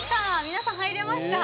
皆さん入れました。